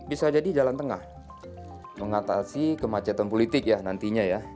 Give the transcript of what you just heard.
bisa jadi jalan tengah mengatasi kemacetan politik nantinya